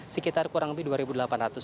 sekitar kurang lebih dua delapan ratus